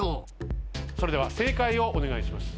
それでは正解をお願いします。